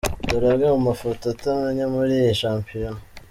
Dore amwe mu mafoto utamenye muri iyi shampiyona.